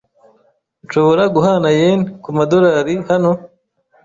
Nshobora guhana yen kumadorari hano?